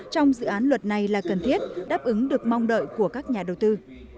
trong dự án luật này là cần thiết đáp ứng được mong đợi của các nhà đầu tư